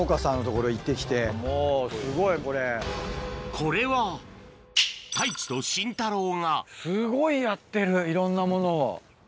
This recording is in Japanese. これは太一とシンタローがすごいやってるいろんなものを。